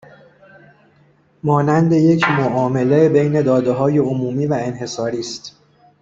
مانند یک معامله بین دادههای عمومی و انحصاری است